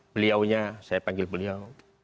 beliaunya saya panggil beliau